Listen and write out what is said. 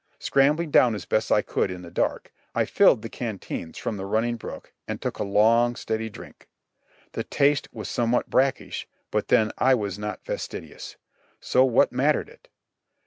Scrambling down as best I could in the dark, I filled the canteens from the running brook and took a long, stead}^ drink; the taste was some what brackish, but then I was not fastidious — so what mattered it?